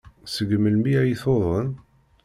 Seg melmi ay tuḍen?